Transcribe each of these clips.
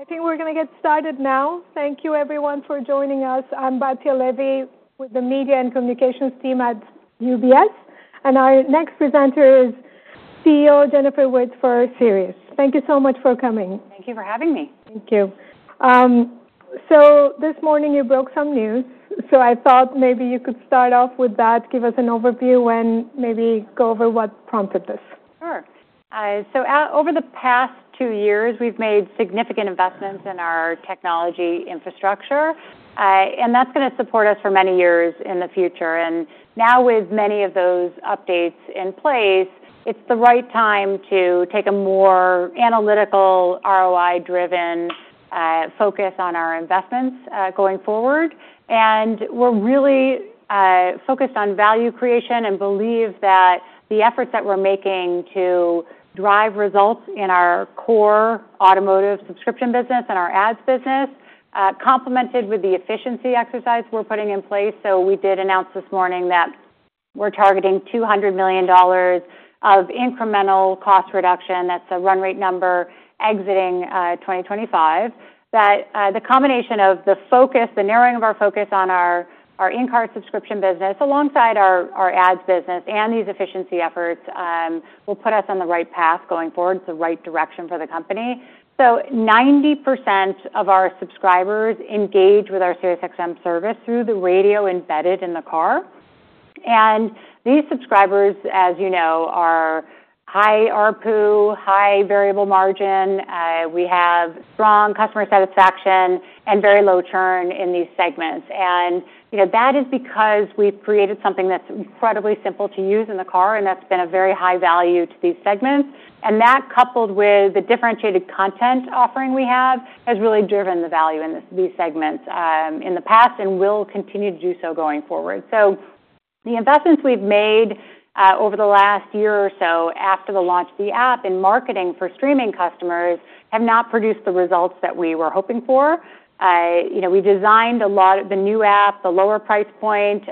I think we're going to get started now. Thank you, everyone, for joining us. I'm Batya Levi with the Media and Communications team at UBS, and our next presenter is CEO Jennifer Witz for Sirius. Thank you so much for coming. Thank you for having me. Thank you. So this morning you broke some news, so I thought maybe you could start off with that, give us an overview, and maybe go over what prompted this. Sure. So over the past two years, we've made significant investments in our technology infrastructure, and that's going to support us for many years in the future. And now, with many of those updates in place, it's the right time to take a more analytical, ROI-driven focus on our investments going forward. And we're really focused on value creation and believe that the efforts that we're making to drive results in our core automotive subscription business and our ads business, complemented with the efficiency exercise we're putting in place. So we did announce this morning that we're targeting $200 million of incremental cost reduction, that's a run rate number exiting 2025, that the combination of the focus, the narrowing of our focus on our in-car subscription business, alongside our ads business and these efficiency efforts, will put us on the right path going forward, the right direction for the company. So 90% of our subscribers engage with our SiriusXM service through the radio embedded in the car. And these subscribers, as you know, are high ARPU, high variable margin. We have strong customer satisfaction and very low churn in these segments. And that is because we've created something that's incredibly simple to use in the car, and that's been a very high value to these segments. And that, coupled with the differentiated content offering we have, has really driven the value in these segments in the past and will continue to do so going forward. So the investments we've made over the last year or so after the launch of the app and marketing for streaming customers have not produced the results that we were hoping for. We designed a lot of the new app, the lower price point.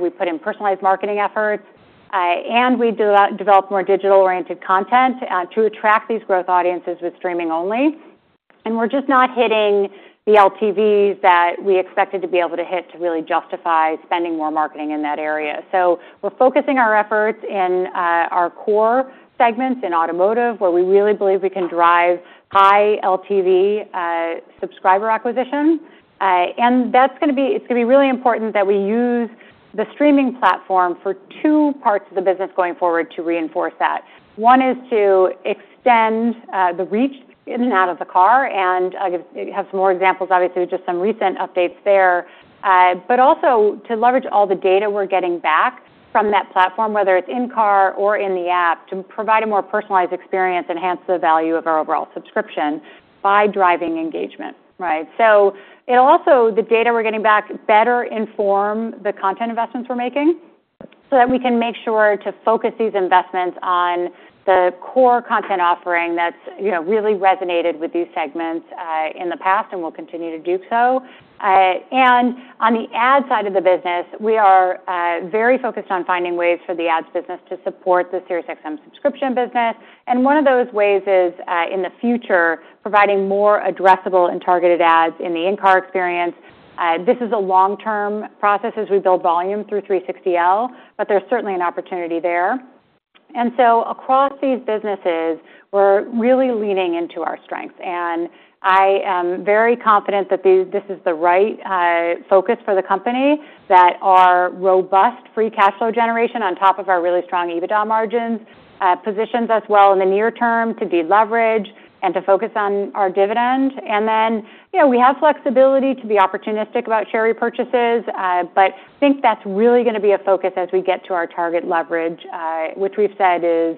We put in personalized marketing efforts, and we developed more digital-oriented content to attract these growth audiences with streaming only. And we're just not hitting the LTVs that we expected to be able to hit to really justify spending more marketing in that area. So we're focusing our efforts in our core segments in automotive, where we really believe we can drive high LTV subscriber acquisition. And that's going to be, it's going to be really important that we use the streaming platform for two parts of the business going forward to reinforce that. One is to extend the reach in and out of the car and have some more examples, obviously, with just some recent updates there, but also to leverage all the data we're getting back from that platform, whether it's in-car or in the app, to provide a more personalized experience and enhance the value of our overall subscription by driving engagement, so it'll also, the data we're getting back better inform the content investments we're making so that we can make sure to focus these investments on the core content offering that's really resonated with these segments in the past and will continue to do so, and on the ad side of the business, we are very focused on finding ways for the ads business to support the SiriusXM subscription business, and one of those ways is, in the future, providing more addressable and targeted ads in the in-car experience. This is a long-term process as we build volume through 360L, but there's certainly an opportunity there. And so across these businesses, we're really leaning into our strengths. And I am very confident that this is the right focus for the company that our robust free cash flow generation on top of our really strong EBITDA margins positions us well in the near term to deleverage and to focus on our dividend. And then we have flexibility to be opportunistic about share repurchases, but I think that's really going to be a focus as we get to our target leverage, which we've said is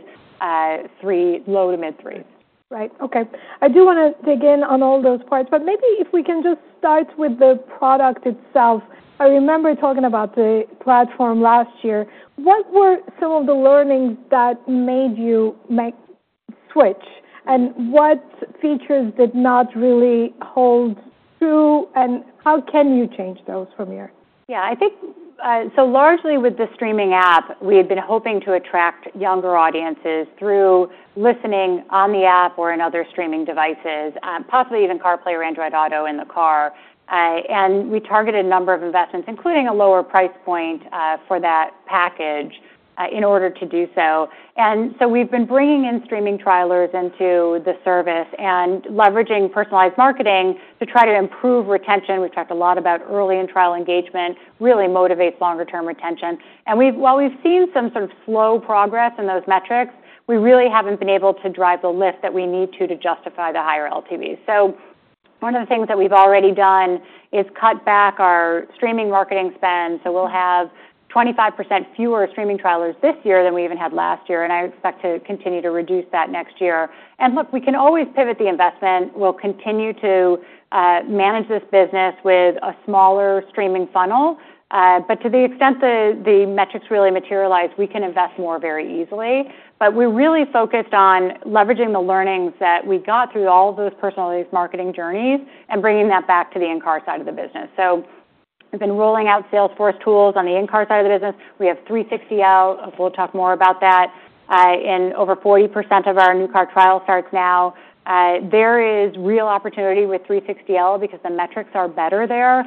low to mid-threes. Right. Okay. I do want to dig in on all those parts, but maybe if we can just start with the product itself. I remember talking about the platform last year. What were some of the learnings that made you switch, and what features did not really hold true, and how can you change those from here? Yeah. So largely with the streaming app, we had been hoping to attract younger audiences through listening on the app or in other streaming devices, possibly even CarPlay or Android Auto in the car. And we targeted a number of investments, including a lower price point for that package, in order to do so. And so we've been bringing in streaming trialers into the service and leveraging personalized marketing to try to improve retention. We've talked a lot about early and trial engagement really motivates longer-term retention. And while we've seen some sort of slow progress in those metrics, we really haven't been able to drive the lift that we need to justify the higher LTV. So one of the things that we've already done is cut back our streaming marketing spend. So we'll have 25% fewer streaming trialers this year than we even had last year, and I expect to continue to reduce that next year. And look, we can always pivot the investment. We'll continue to manage this business with a smaller streaming funnel, but to the extent that the metrics really materialize, we can invest more very easily. But we're really focused on leveraging the learnings that we got through all of those personalized marketing journeys and bringing that back to the in-car side of the business. So we've been rolling out Salesforce tools on the in-car side of the business. We have 360L, and we'll talk more about that. And over 40% of our new car trial starts now. There is real opportunity with 360L because the metrics are better there,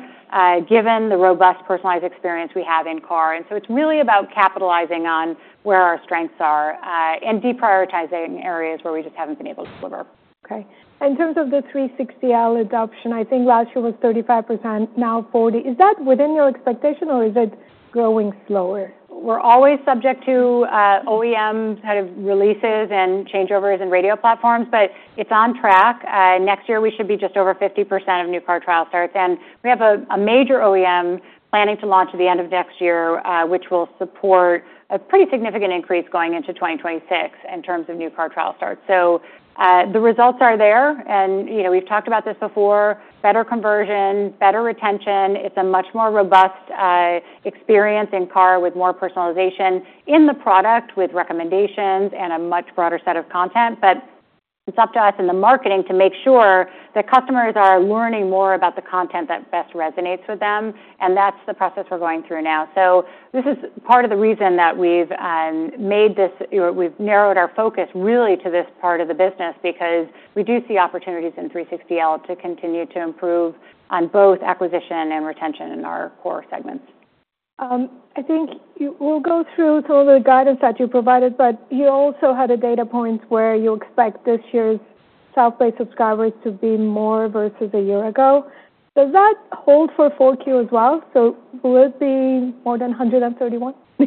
given the robust personalized experience we have in car. And so it's really about capitalizing on where our strengths are and deprioritizing areas where we just haven't been able to deliver. Okay. In terms of the 360L adoption, I think last year was 35%, now 40%. Is that within your expectation, or is it growing slower? We're always subject to OEM kind of releases and changeovers in radio platforms, but it's on track. Next year, we should be just over 50% of new car trial starts. And we have a major OEM planning to launch at the end of next year, which will support a pretty significant increase going into 2026 in terms of new car trial starts. So the results are there, and we've talked about this before: better conversion, better retention. It's a much more robust experience in car with more personalization in the product with recommendations and a much broader set of content. But it's up to us in the marketing to make sure that customers are learning more about the content that best resonates with them. And that's the process we're going through now. So this is part of the reason that we've made this - we've narrowed our focus really to this part of the business because we do see opportunities in 360L to continue to improve on both acquisition and retention in our core segments. I think we'll go through some of the guidance that you provided, but you also had a data point where you expect this year's self-pay subscribers to be more versus a year ago. Does that hold for 4Q as well? So will it be more than 131? So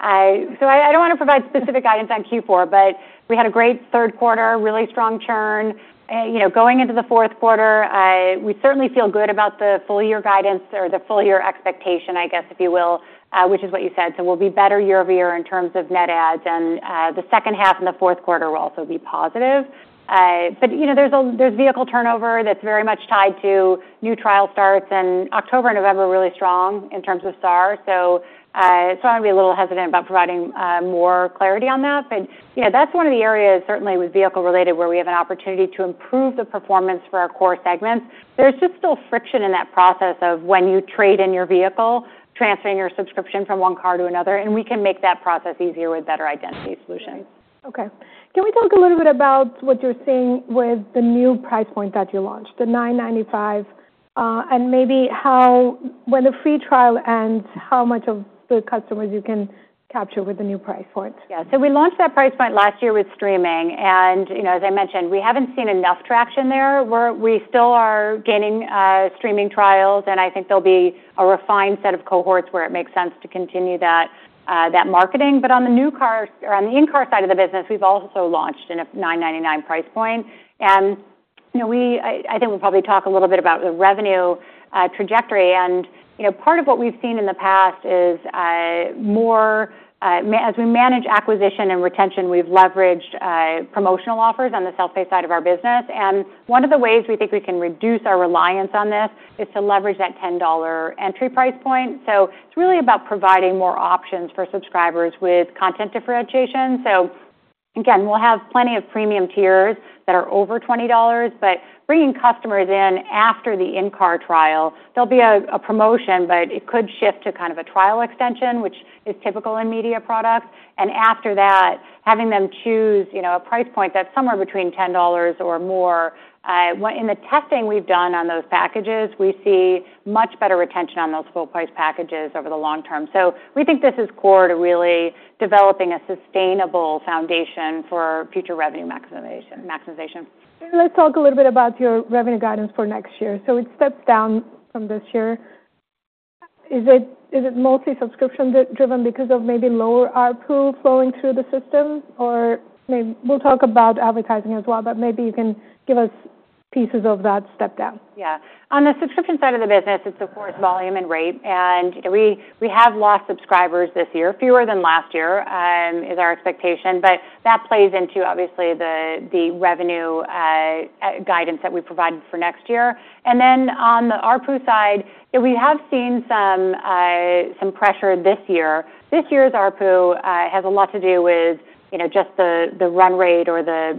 I don't want to provide specific guidance on Q4, but we had a great third quarter, really strong churn. Going into the fourth quarter, we certainly feel good about the full-year guidance or the full-year expectation, I guess, if you will, which is what you said. So we'll be better year over year in terms of net ads, and the second half and the fourth quarter will also be positive. But there's vehicle turnover that's very much tied to new trial starts, and October and November are really strong in terms of SAR. So I'm going to be a little hesitant about providing more clarity on that. But that's one of the areas, certainly with vehicle-related, where we have an opportunity to improve the performance for our core segments. There's just still friction in that process of when you trade in your vehicle, transferring your subscription from one car to another, and we can make that process easier with better identity solutions. Okay. Can we talk a little bit about what you're seeing with the new price point that you launched, the $9.95, and maybe when the free trial ends, how much of the customers you can capture with the new price point? Yeah. So we launched that price point last year with streaming, and as I mentioned, we haven't seen enough traction there. We still are gaining streaming trials, and I think there'll be a refined set of cohorts where it makes sense to continue that marketing. But on the new car or on the in-car side of the business, we've also launched in a $9.99 price point. And I think we'll probably talk a little bit about the revenue trajectory. And part of what we've seen in the past is, as we manage acquisition and retention, we've leveraged promotional offers on the self-pay side of our business. And one of the ways we think we can reduce our reliance on this is to leverage that $10 entry price point. So it's really about providing more options for subscribers with content differentiation. So again, we'll have plenty of premium tiers that are over $20, but bringing customers in after the in-car trial. There'll be a promotion, but it could shift to kind of a trial extension, which is typical in media products. And after that, having them choose a price point that's somewhere between $10 or more. In the testing we've done on those packages, we see much better retention on those full-price packages over the long term. So we think this is core to really developing a sustainable foundation for future revenue maximization. Let's talk a little bit about your revenue guidance for next year. So it steps down from this year. Is it mostly subscription-driven because of maybe lower RPU flowing through the system? Or we'll talk about advertising as well, but maybe you can give us pieces of that step down. Yeah. On the subscription side of the business, it's, of course, volume and rate. And we have lost subscribers this year, fewer than last year is our expectation, but that plays into, obviously, the revenue guidance that we provided for next year. And then on the RPU side, we have seen some pressure this year. This year's RPU has a lot to do with just the run rate or the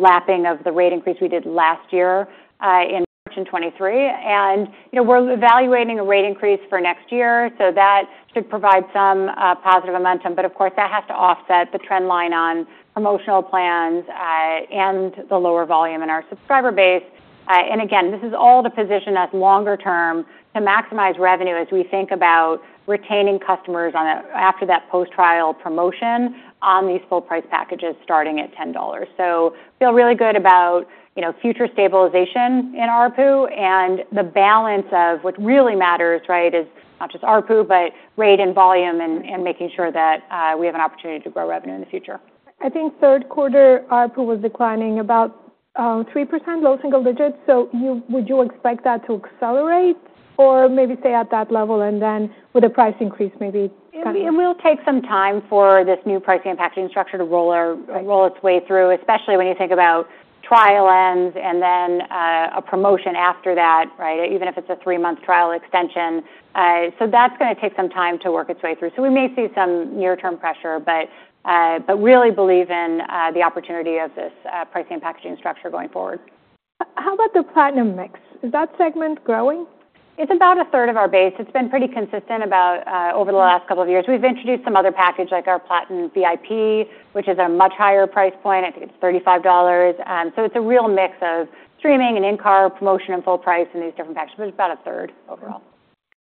lapping of the rate increase we did last year in March in 2023. And we're evaluating a rate increase for next year, so that should provide some positive momentum. But of course, that has to offset the trend line on promotional plans and the lower volume in our subscriber base. And again, this is all to position us longer term to maximize revenue as we think about retaining customers after that post-trial promotion on these full-price packages starting at $10. I feel really good about future stabilization in RPU, and the balance of what really matters, right, is not just RPU, but rate and volume, and making sure that we have an opportunity to grow revenue in the future. I think third quarter RPU was declining about 3%, low single digits. So would you expect that to accelerate or maybe stay at that level and then with a price increase maybe? It will take some time for this new pricing and packaging structure to roll its way through, especially when you think about trial ends and then a promotion after that, right, even if it's a three-month trial extension. So that's going to take some time to work its way through. So we may see some near-term pressure, but really believe in the opportunity of this pricing and packaging structure going forward. How about the Platinum mix? Is that segment growing? It's about a third of our base. It's been pretty consistent over the last couple of years. We've introduced some other package like our Platinum VIP, which is at a much higher price point. I think it's $35. So it's a real mix of streaming and in-car promotion and full price in these different packages, but it's about a third overall.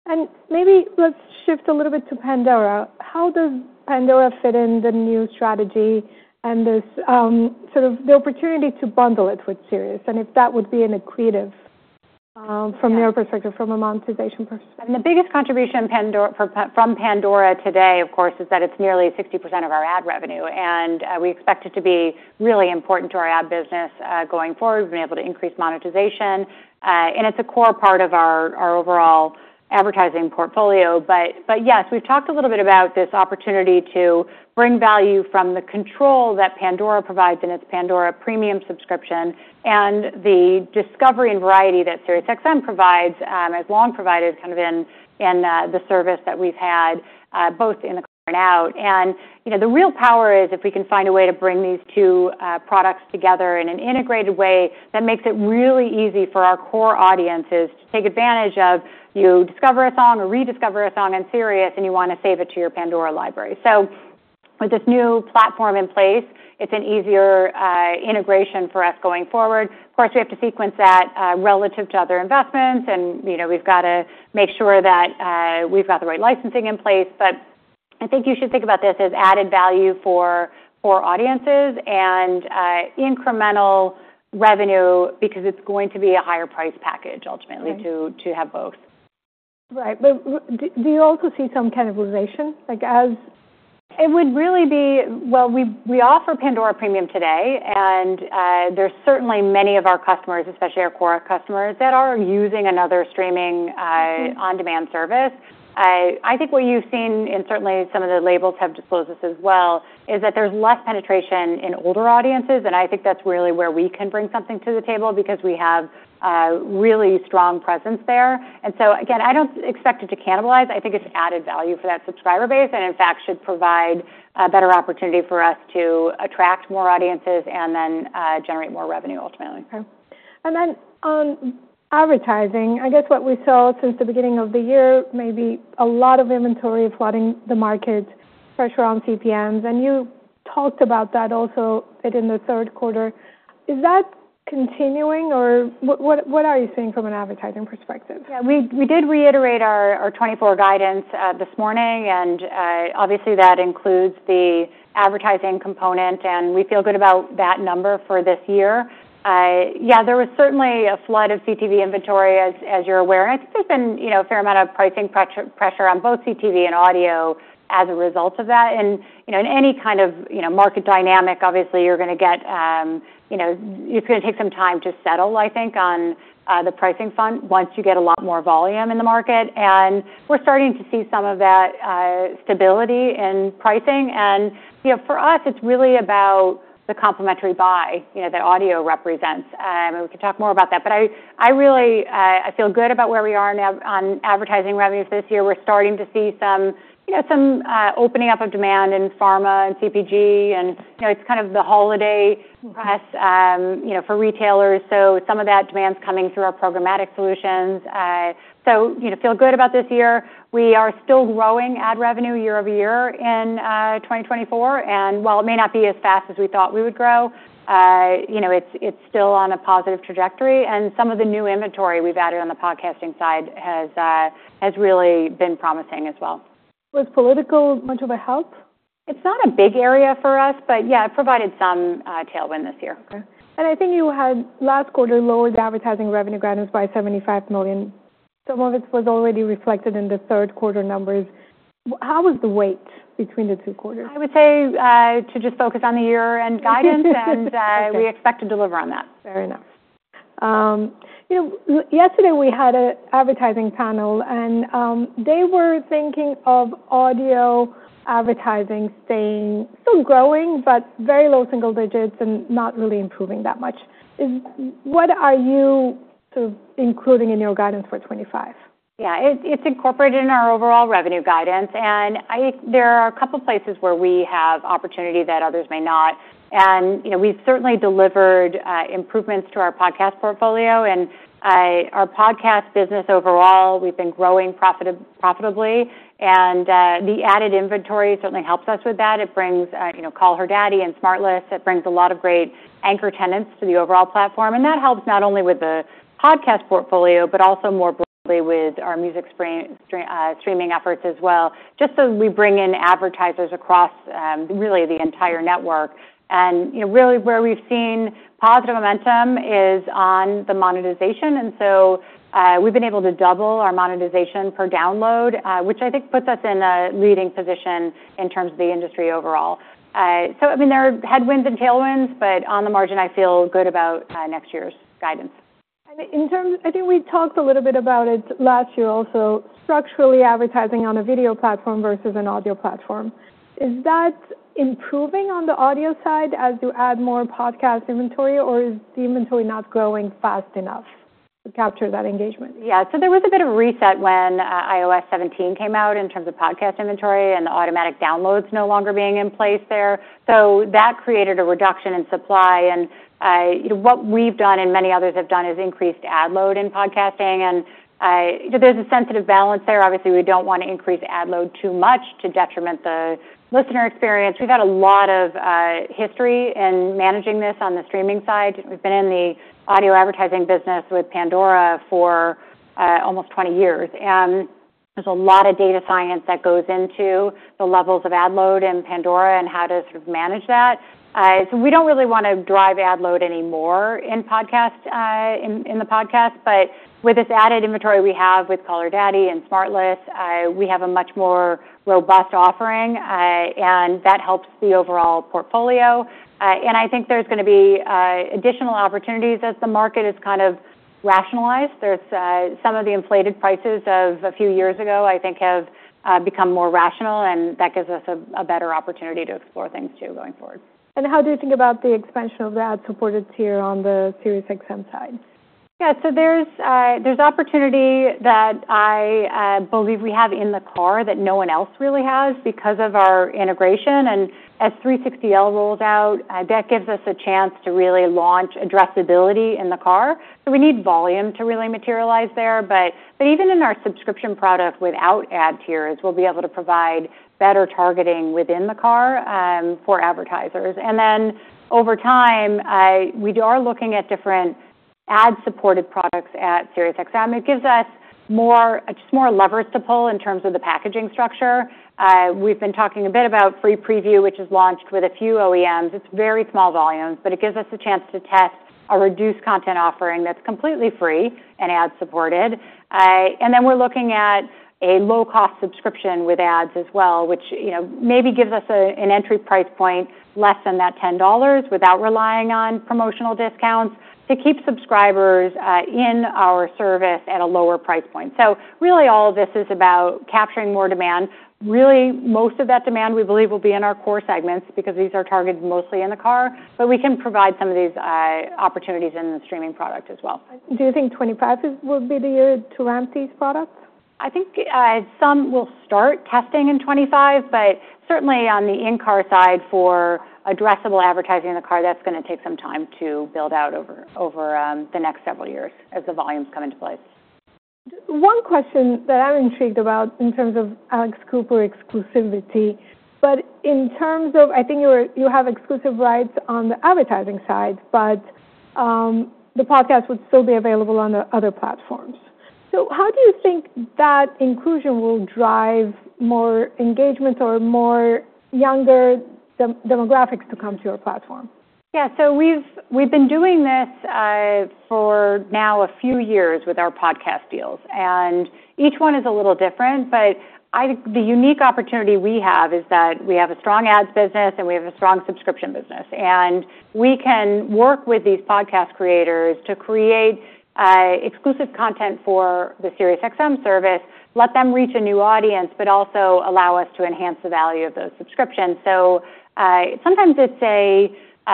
And maybe let's shift a little bit to Pandora. How does Pandora fit in the new strategy and sort of the opportunity to bundle it with Sirius? And if that would be accretive from your perspective, from a monetization perspective? The biggest contribution from Pandora today, of course, is that it's nearly 60% of our ad revenue, and we expect it to be really important to our ad business going forward. We've been able to increase monetization, and it's a core part of our overall advertising portfolio. But yes, we've talked a little bit about this opportunity to bring value from the control that Pandora provides in its Pandora Premium subscription and the discovery and variety that SiriusXM provides, has long provided kind of in the service that we've had both in the car and out. The real power is if we can find a way to bring these two products together in an integrated way that makes it really easy for our core audiences to take advantage of. You discover a song or rediscover a song on Sirius, and you want to save it to your Pandora library. With this new platform in place, it's an easier integration for us going forward. Of course, we have to sequence that relative to other investments, and we've got to make sure that we've got the right licensing in place. I think you should think about this as added value for audiences and incremental revenue because it's going to be a higher price package ultimately to have both. Right, but do you also see some cannibalization? Well, we offer Pandora Premium today, and there's certainly many of our customers, especially our core customers, that are using another streaming on-demand service. I think what you've seen, and certainly some of the labels have disclosed this as well, is that there's less penetration in older audiences, and I think that's really where we can bring something to the table because we have a really strong presence there. And so again, I don't expect it to cannibalize. I think it's added value for that subscriber base and, in fact, should provide a better opportunity for us to attract more audiences and then generate more revenue ultimately. Okay. And then on advertising, I guess what we saw since the beginning of the year, maybe a lot of inventory flooding the market, pressure on CPMs, and you talked about that also in the third quarter. Is that continuing, or what are you seeing from an advertising perspective? Yeah. We did reiterate our 24 guidance this morning, and obviously that includes the advertising component, and we feel good about that number for this year. Yeah, there was certainly a flood of CTV inventory, as you're aware. And I think there's been a fair amount of pricing pressure on both CTV and audio as a result of that. And in any kind of market dynamic, obviously you're going to get, it's going to take some time to settle, I think, on the pricing front once you get a lot more volume in the market. And we're starting to see some of that stability in pricing. And for us, it's really about the complementary buy that audio represents. We can talk more about that, but I feel good about where we are on advertising revenues this year. We're starting to see some opening up of demand in pharma and CPG, and it's kind of the holiday push for retailers. So some of that demand's coming through our programmatic solutions. So feel good about this year. We are still growing ad revenue year over year in 2024. And while it may not be as fast as we thought we would grow, it's still on a positive trajectory. And some of the new inventory we've added on the podcasting side has really been promising as well. Was political much of a help? It's not a big area for us, but yeah, it provided some tailwind this year. Okay. And I think you had last quarter lowered the advertising revenue guidance by $75 million. Some of it was already reflected in the third quarter numbers. How was the weight between the two quarters? I would say to just focus on the year-end guidance, and we expect to deliver on that. Fair enough. Yesterday, we had an advertising panel, and they were thinking of audio advertising staying still growing, but very low single digits and not really improving that much. What are you sort of including in your guidance for 2025? Yeah. It's incorporated in our overall revenue guidance, and there are a couple of places where we have opportunity that others may not. And we've certainly delivered improvements to our podcast portfolio, and our podcast business overall, we've been growing profitably. And the added inventory certainly helps us with that. It brings Call Her Daddy and SmartLess. It brings a lot of great anchor tenants to the overall platform, and that helps not only with the podcast portfolio, but also more broadly with our music streaming efforts as well, just so we bring in advertisers across really the entire network. And really where we've seen positive momentum is on the monetization, and so we've been able to double our monetization per download, which I think puts us in a leading position in terms of the industry overall. So I mean, there are headwinds and tailwinds, but on the margin, I feel good about next year's guidance. I think we talked a little bit about it last year also, structurally advertising on a video platform versus an audio platform. Is that improving on the audio side as you add more podcast inventory, or is the inventory not growing fast enough to capture that engagement? Yeah. So there was a bit of a reset when iOS 17 came out in terms of podcast inventory and the automatic downloads no longer being in place there. So that created a reduction in supply. And what we've done and many others have done is increased ad load in podcasting, and there's a sensitive balance there. Obviously, we don't want to increase ad load too much to detriment the listener experience. We've had a lot of history in managing this on the streaming side. We've been in the audio advertising business with Pandora for almost 20 years. There's a lot of data science that goes into the levels of ad load in Pandora and how to sort of manage that. So we don't really want to drive ad load anymore in the podcast, but with this added inventory we have with Call Her Daddy and SmartLess, we have a much more robust offering, and that helps the overall portfolio. And I think there's going to be additional opportunities as the market is kind of rationalized. Some of the inflated prices of a few years ago, I think, have become more rational, and that gives us a better opportunity to explore things too going forward. How do you think about the expansion of the ad-supported tier on the SiriusXM side? Yeah. So there's opportunity that I believe we have in the car that no one else really has because of our integration. And as 360L rolls out, that gives us a chance to really launch addressability in the car. So we need volume to really materialize there, but even in our subscription product without ad tiers, we'll be able to provide better targeting within the car for advertisers. And then over time, we are looking at different ad-supported products at SiriusXM. It gives us just more levers to pull in terms of the packaging structure. We've been talking a bit about free preview, which is launched with a few OEMs. It's very small volumes, but it gives us a chance to test a reduced content offering that's completely free and ad-supported. And then we're looking at a low-cost subscription with ads as well, which maybe gives us an entry price point less than that $10 without relying on promotional discounts to keep subscribers in our service at a lower price point. So really, all of this is about capturing more demand. Really, most of that demand we believe will be in our core segments because these are targeted mostly in the car, but we can provide some of these opportunities in the streaming product as well. Do you think 2025 will be the year to ramp these products? I think some will start testing in 2025, but certainly on the in-car side for addressable advertising in the car, that's going to take some time to build out over the next several years as the volumes come into place. One question that I'm intrigued about in terms of Alex Cooper exclusivity, but in terms of I think you have exclusive rights on the advertising side, but the podcast would still be available on the other platforms, so how do you think that inclusion will drive more engagement or more younger demographics to come to your platform? Yeah. So we've been doing this for now a few years with our podcast deals, and each one is a little different, but the unique opportunity we have is that we have a strong ads business and we have a strong subscription business. And we can work with these podcast creators to create exclusive content for the SiriusXM service, let them reach a new audience, but also allow us to enhance the value of those subscriptions. So sometimes it's a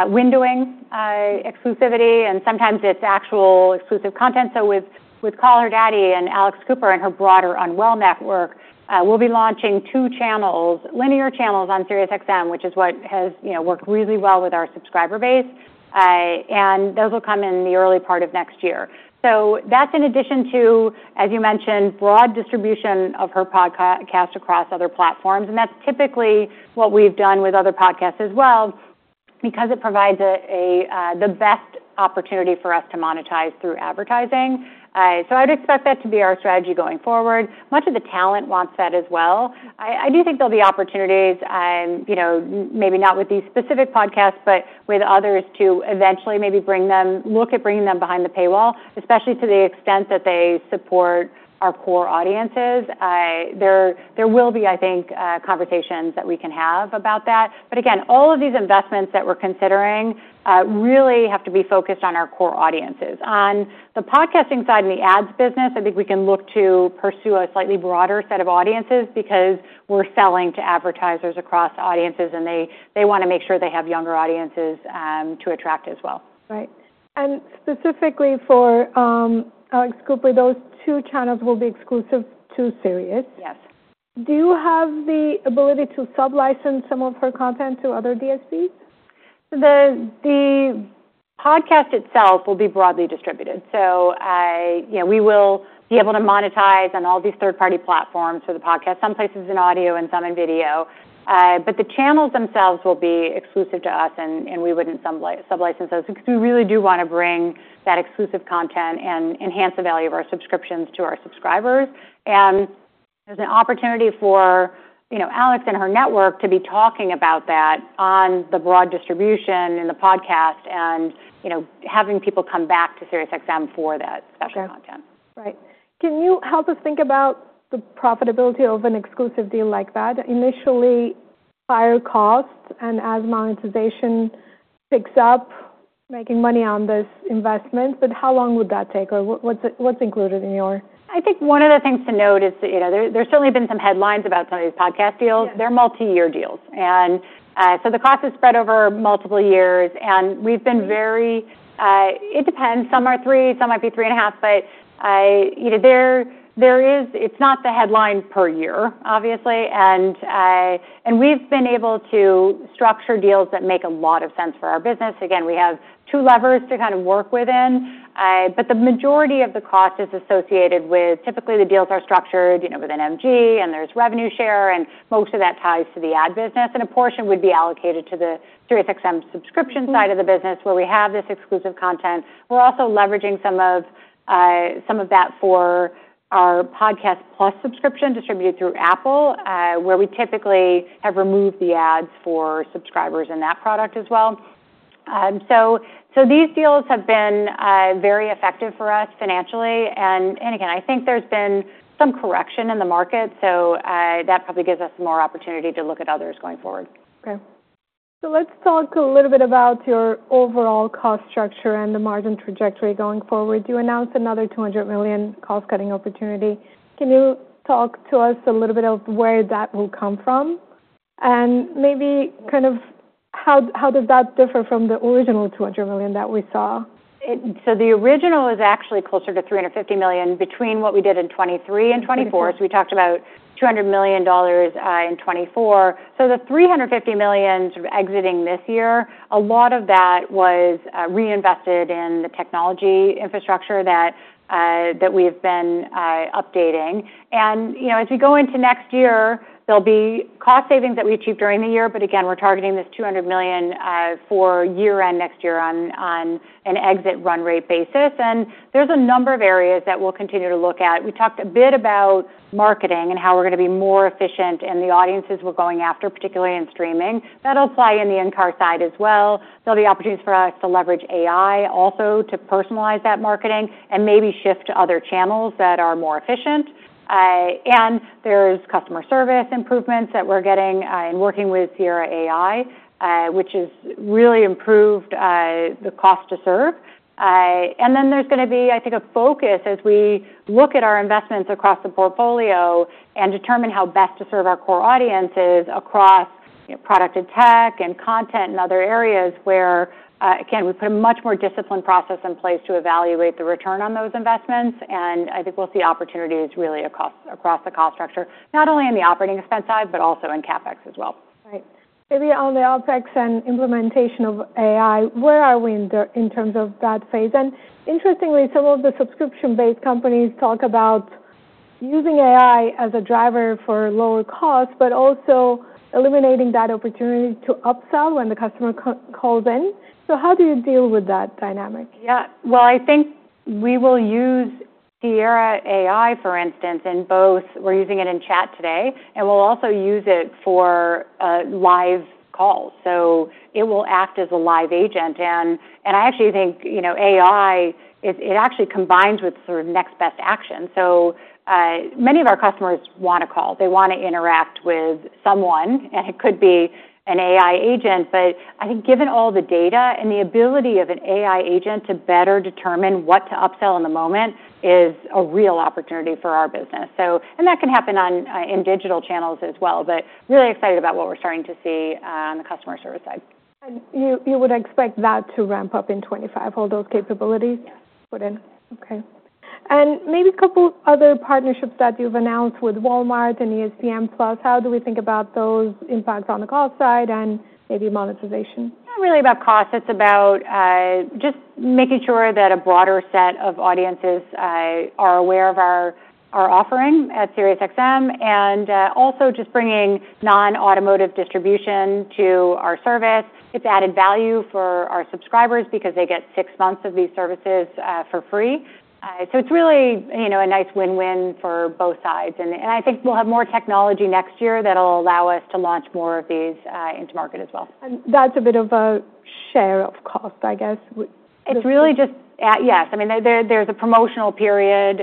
windowing exclusivity, and sometimes it's actual exclusive content. So with Call Her Daddy and Alex Cooper and her broader Unwell Network, we'll be launching two channels, linear channels on SiriusXM, which is what has worked really well with our subscriber base, and those will come in the early part of next year. So that's in addition to, as you mentioned, broad distribution of her podcast across other platforms, and that's typically what we've done with other podcasts as well because it provides the best opportunity for us to monetize through advertising. So I would expect that to be our strategy going forward. Much of the talent wants that as well. I do think there'll be opportunities, maybe not with these specific podcasts, but with others to eventually maybe look at bringing them behind the paywall, especially to the extent that they support our core audiences. There will be, I think, conversations that we can have about that. But again, all of these investments that we're considering really have to be focused on our core audiences. On the podcasting side and the ads business, I think we can look to pursue a slightly broader set of audiences because we're selling to advertisers across audiences, and they want to make sure they have younger audiences to attract as well. Right. And specifically for Alex Cooper, those two channels will be exclusive to Sirius. Yes. Do you have the ability to sublicense some of her content to other DSPs? The podcast itself will be broadly distributed. So we will be able to monetize on all these third-party platforms for the podcast, some places in audio and some in video, but the channels themselves will be exclusive to us, and we wouldn't sublicense those because we really do want to bring that exclusive content and enhance the value of our subscriptions to our subscribers. And there's an opportunity for Alex and her network to be talking about that on the broad distribution in the podcast and having people come back to SiriusXM for that special content. Right. Can you help us think about the profitability of an exclusive deal like that? Initially, higher costs and as monetization picks up, making money on this investment, but how long would that take? Or what's included in your? I think one of the things to note is that there's certainly been some headlines about some of these podcast deals. They're multi-year deals, and so the cost is spread over multiple years, and we've been very, it depends. Some are three, some might be three and a half, but it's not the headline per year, obviously, and we've been able to structure deals that make a lot of sense for our business. Again, we have two levers to kind of work within, but the majority of the cost is associated with, typically, the deals are structured with an MG, and there's revenue share, and most of that ties to the ad business, and a portion would be allocated to the Sirius XM subscription side of the business where we have this exclusive content. We're also leveraging some of that for our Podcasts+ subscription distributed through Apple, where we typically have removed the ads for subscribers in that product as well. So these deals have been very effective for us financially. And again, I think there's been some correction in the market, so that probably gives us more opportunity to look at others going forward. Okay. So let's talk a little bit about your overall cost structure and the margin trajectory going forward. You announced another $200 million cost-cutting opportunity. Can you talk to us a little bit of where that will come from and maybe kind of how does that differ from the original $200 million that we saw? So the original is actually closer to $350 million between what we did in 2023 and 2024. So we talked about $200 million in 2024. So the $350 million sort of exiting this year, a lot of that was reinvested in the technology infrastructure that we've been updating. And as we go into next year, there'll be cost savings that we achieve during the year, but again, we're targeting this $200 million for year-end next year on an exit run rate basis. And there's a number of areas that we'll continue to look at. We talked a bit about marketing and how we're going to be more efficient in the audiences we're going after, particularly in streaming. That'll play in the in-car side as well. There'll be opportunities for us to leverage AI also to personalize that marketing and maybe shift to other channels that are more efficient. There's customer service improvements that we're getting and working with Sierra AI, which has really improved the cost to serve. Then there's going to be, I think, a focus as we look at our investments across the portfolio and determine how best to serve our core audiences across product and tech and content and other areas where, again, we put a much more disciplined process in place to evaluate the return on those investments. I think we'll see opportunities really across the cost structure, not only on the operating expense side, but also in CapEx as well. Right. Maybe on the OpEx and implementation of AI, where are we in terms of that phase? And interestingly, some of the subscription-based companies talk about using AI as a driver for lower costs, but also eliminating that opportunity to upsell when the customer calls in. So how do you deal with that dynamic? Yeah. Well, I think we will use Sierra AI, for instance, in both, we're using it in chat today, and we'll also use it for live calls, so it will act as a live agent, and I actually think AI, it actually combines with sort of next best action, so many of our customers want to call. They want to interact with someone, and it could be an AI agent, but I think given all the data and the ability of an AI agent to better determine what to upsell in the moment is a real opportunity for our business, and that can happen in digital channels as well, but really excited about what we're starting to see on the customer service side. You would expect that to ramp up in 2025, all those capabilities? Yes. Put in. Okay, and maybe a couple of other partnerships that you've announced with Walmart and ESPN+. How do we think about those impacts on the cost side and maybe monetization? Not really about cost. It's about just making sure that a broader set of audiences are aware of our offering at SiriusXM and also just bringing non-automotive distribution to our service. It's added value for our subscribers because they get six months of these services for free. So it's really a nice win-win for both sides. And I think we'll have more technology next year that'll allow us to launch more of these into market as well. That's a bit of a share of cost, I guess. It's really just, yes. I mean, there's a promotional period.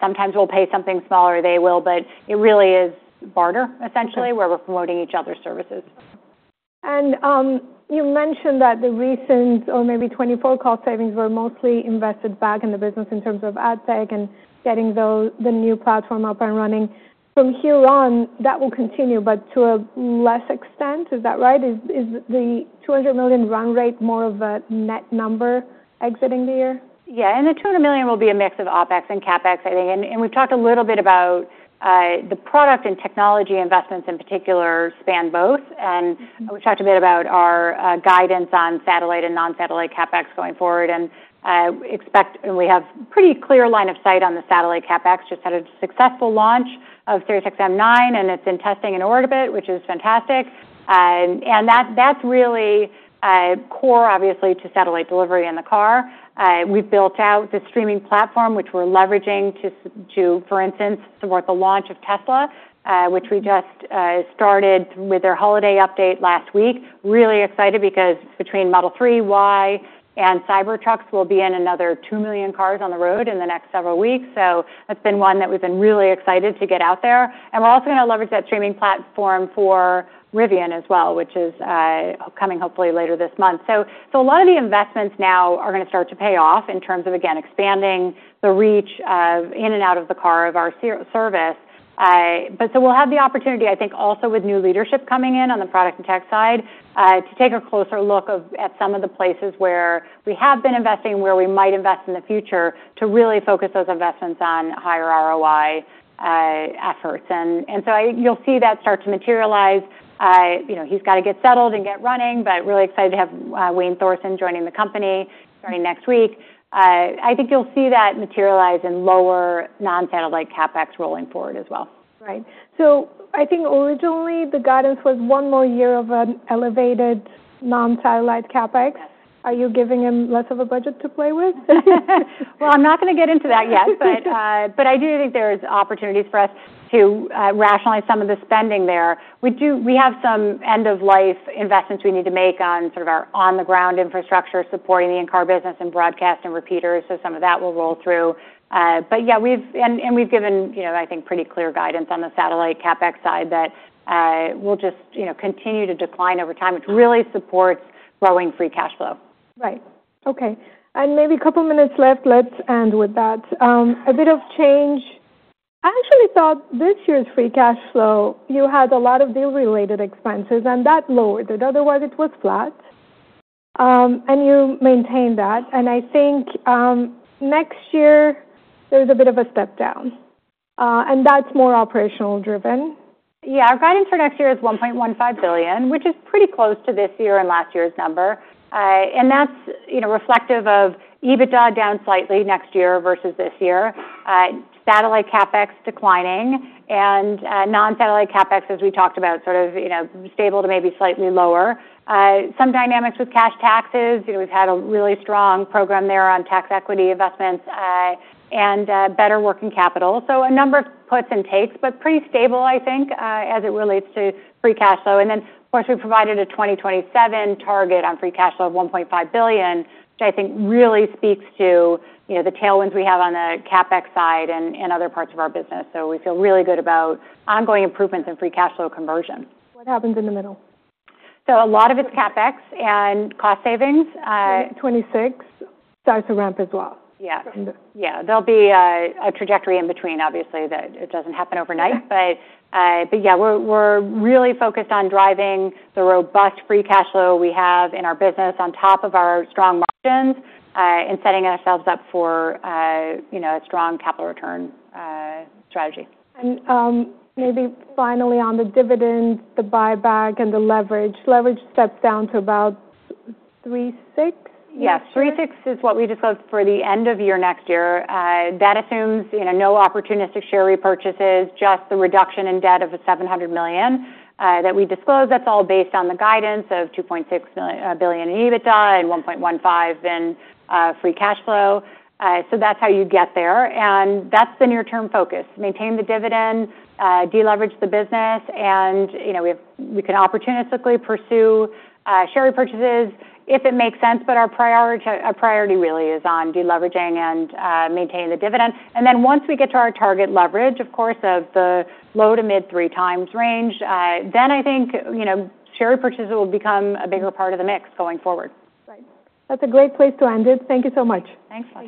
Sometimes we'll pay something small or they will, but it really is barter, essentially, where we're promoting each other's services. And you mentioned that the recent or maybe 2024 cost savings were mostly invested back in the business in terms of ad tech and getting the new platform up and running. From here on, that will continue, but to a less extent. Is that right? Is the $200 million run rate more of a net number exiting the year? Yeah. And the $200 million will be a mix of OpEx and CapEx, I think. And we've talked a little bit about the product and technology investments in particular span both. And we talked a bit about our guidance on satellite and non-satellite CapEx going forward. And we have a pretty clear line of sight on the satellite CapEx, just had a successful launch of SiriusXM 9, and it's in testing in orbit, which is fantastic. And that's really core, obviously, to satellite delivery in the car. We've built out the streaming platform, which we're leveraging to, for instance, support the launch of Tesla, which we just started with their holiday update last week. Really excited because between Model 3, Model Y, and Cybertrucks, we'll be in another 2 million cars on the road in the next several weeks. So that's been one that we've been really excited to get out there. And we're also going to leverage that streaming platform for Rivian as well, which is coming hopefully later this month. So a lot of the investments now are going to start to pay off in terms of, again, expanding the reach in and out of the car of our service. But so we'll have the opportunity, I think, also with new leadership coming in on the product and tech side to take a closer look at some of the places where we have been investing and where we might invest in the future to really focus those investments on higher ROI efforts. And so you'll see that start to materialize. He's got to get settled and get running, but really excited to have Wayne Thorsen joining the company starting next week. I think you'll see that materialize in lower non-satellite CapEx rolling forward as well. Right. So I think originally the guidance was one more year of an elevated non-satellite CapEx. Are you giving him less of a budget to play with? I'm not going to get into that yet, but I do think there are opportunities for us to rationalize some of the spending there. We have some end-of-life investments we need to make on sort of our on-the-ground infrastructure supporting the in-car business and broadcast and repeaters, so some of that will roll through, but yeah, and we've given, I think, pretty clear guidance on the satellite CapEx side that we'll just continue to decline over time, which really supports growing free cash flow. Right. Okay. And maybe a couple of minutes left. Let's end with that. A bit of change. I actually thought this year's free cash flow, you had a lot of deal-related expenses, and that lowered it. Otherwise, it was flat, and you maintained that. And I think next year there's a bit of a step down, and that's more operational-driven. Yeah. Our guidance for next year is $1.15 billion, which is pretty close to this year and last year's number. And that's reflective of EBITDA down slightly next year versus this year, satellite CapEx declining, and non-satellite CapEx, as we talked about, sort of stable to maybe slightly lower. Some dynamics with cash taxes. We've had a really strong program there on tax equity investments and better working capital. So a number of puts and takes, but pretty stable, I think, as it relates to free cash flow. And then, of course, we provided a 2027 target on free cash flow of $1.5 billion, which I think really speaks to the tailwinds we have on the CapEx side and other parts of our business. So we feel really good about ongoing improvements in free cash flow conversion. What happens in the middle? So a lot of it's CapEx and cost savings. 2026 starts to ramp as well. Yeah. Yeah. There'll be a trajectory in between, obviously, that it doesn't happen overnight. But yeah, we're really focused on driving the robust free cash flow we have in our business on top of our strong margins and setting ourselves up for a strong capital return strategy. Maybe finally on the dividends, the buyback, and the leverage. Leverage steps down to about 3.6? Yes. 3.6 is what we disclosed for the end of year next year. That assumes no opportunistic share repurchases, just the reduction in debt of $700 million that we disclosed. That's all based on the guidance of $2.6 billion in EBITDA and $1.15 billion in free cash flow. So that's how you get there. And that's the near-term focus: maintain the dividend, deleverage the business, and we can opportunistically pursue share repurchases if it makes sense. But our priority really is on deleveraging and maintaining the dividend. And then once we get to our target leverage, of course, of the low to mid-three times range, then I think share repurchases will become a bigger part of the mix going forward. Right. That's a great place to end it. Thank you so much. Thanks so much.